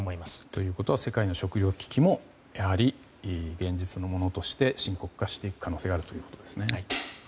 ということは世界の食料危機も現実のものとして深刻化していく可能性があるということですね。